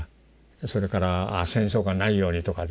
それから戦争がないようにとかですね